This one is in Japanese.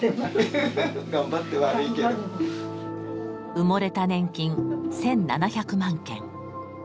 埋もれた年金１，７００万件。